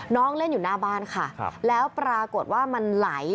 เล่นอยู่หน้าบ้านค่ะแล้วปรากฏว่ามันไหล